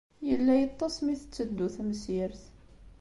Yella yeṭṭes mi tetteddu temsirt.